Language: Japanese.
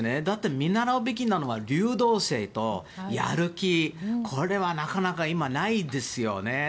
だって見習うべきなのは流動性と、やる気これはなかなか今ないですよね。